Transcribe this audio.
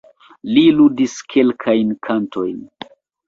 Li ludis kelkajn kantojn.